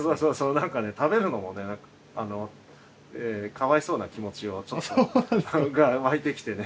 なんかね食べるのもねかわいそうな気持ちが湧いてきてね。